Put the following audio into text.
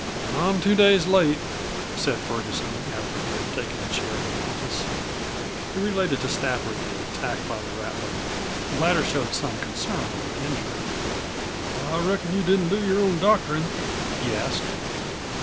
"I'm two days late," said Ferguson, after he had taken a chair in the office. He related to Stafford the attack by the rattler. The latter showed some concern over the injury. "I reckon you didn't do your own doctorin'?" he asked.